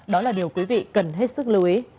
đó là điều quý vị cần hết sức lưu ý